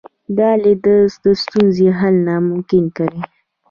دا لید د ستونزې حل ناممکن کوي.